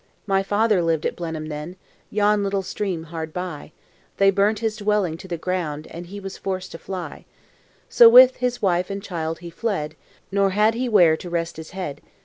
"My father lived at Blenheim then, Yon little stream hard by; They burnt his dwelling to the ground, And he was forced to fly; So with his wife and child he fled, Nor had he where to rest his head.